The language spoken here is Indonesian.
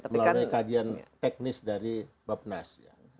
melalui kajian teknis dari bap nas